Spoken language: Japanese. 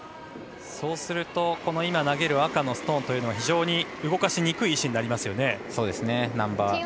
そうすると、今投げる赤のストーンは非常に動かしにくい石になりますね。